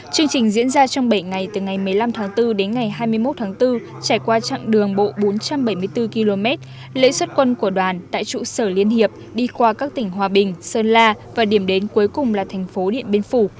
chương trình diễn ra trong bảy ngày từ ngày một mươi năm tháng bốn đến ngày hai mươi một tháng bốn trải qua chặng đường bộ bốn trăm bảy mươi bốn km lễ xuất quân của đoàn tại trụ sở liên hiệp đi qua các tỉnh hòa bình sơn la và điểm đến cuối cùng là thành phố điện biên phủ